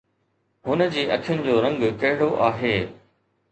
هن جي اکين جو رنگ ڪهڙو آهي؟